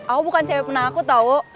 aku bukan cewek penakut tau